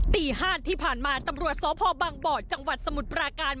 ตี๕ที่ผ่านมาตำรวจสพบังบ่อจังหวัดสมุทรปราการ